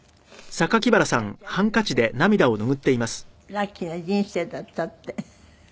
「ラッキーな人生だった」って。